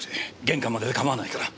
玄関までで構わないから。